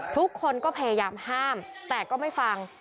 ทุกคนก็พยายามห้ามแต่ก็ไม่ฟัง